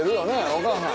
お母さん。